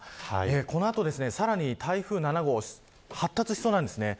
この後、さらに台風７号発達しそうです。